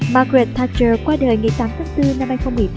margaret thatcher qua đời ngày tám tháng bốn năm hai nghìn một mươi tám